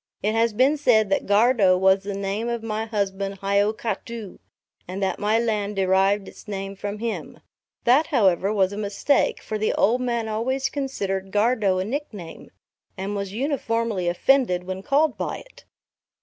It has been said that Gardow was the name of my husband Hiokatoo, and that my land derived its name from him; that however was a mistake, for the old man always considered Gardow a nickname, and was uniformly offended when called by it.